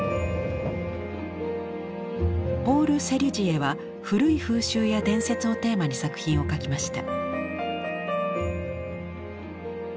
ポール・セリュジエは古い風習や伝説をテーマに作品を描きました。